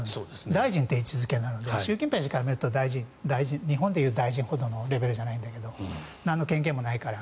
大臣って位置付けなので習近平氏から見ると日本でいう大臣ほどのレベルじゃないんだけどなんの権限もないから。